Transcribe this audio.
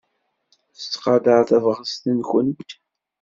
Tettqadar tabɣest-nwent.